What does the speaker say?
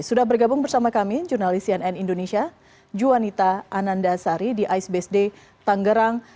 sudah bergabung bersama kami jurnalis cnn indonesia jwanita anandasari di ice base day tangerang